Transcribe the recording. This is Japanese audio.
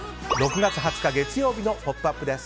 ６月２０日、月曜日の「ポップＵＰ！」です。